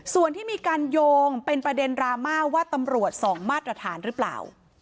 ส่วนที่มีการโยงเป็นประเด็นดราม่าว่าตำรวจส่องมาตรฐานหรือเปล่า